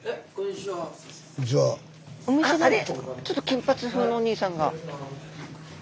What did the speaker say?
ちょっと金髪風のお兄さんが。